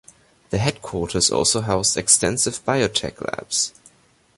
The headquarters also housed extensive biotech labs.